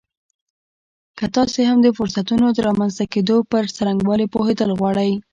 که تاسې هم د فرصتونو د رامنځته کېدو پر څرنګوالي پوهېدل غواړئ